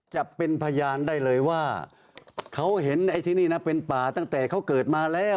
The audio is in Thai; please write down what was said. จะเป็นพยานได้เลยว่าเขาเห็นไอ้ที่นี่นะเป็นป่าตั้งแต่เขาเกิดมาแล้ว